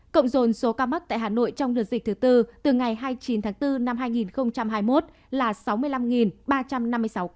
cộng dồn số ca mắc tại hà nội trong đợt dịch thứ tư từ ngày hai mươi chín tháng bốn năm hai nghìn hai mươi một là sáu mươi năm ba trăm năm mươi sáu ca